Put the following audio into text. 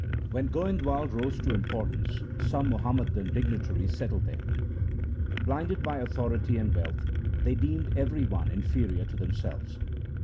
When Goindwal rose to importance some Muhammadan dignitaries settled there. Blinded by authority and wealth, they deemed every one inferior to themselves.